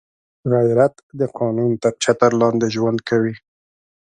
غیرت د قانون تر چتر لاندې ژوند کوي